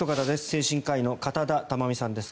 精神科医の片田珠美さんです。